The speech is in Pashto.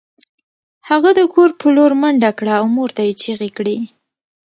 هغه د کور په لور منډه کړه او مور ته یې چیغې کړې